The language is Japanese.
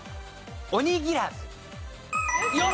おにぎらず。